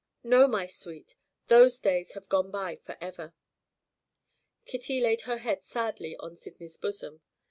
"No, my sweet! Those days have gone by forever." Kitty laid her head sadly on Sydney's bosom.